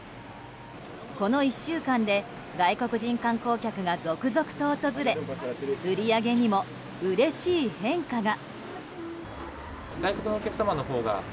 この１週間で外国人観光客が続々と訪れ売り上げにも、うれしい変化が。